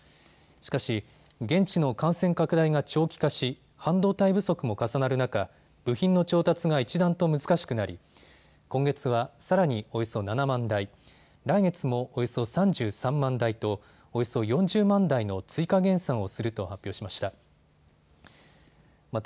しかし、現地の感染拡大が長期化し、半導体不足も重なる中、部品の調達が一段と難しくなり今月はさらにおよそ７万台、来月もおよそ３３万台とおよそ４０万台の追加減産をすると発表しました。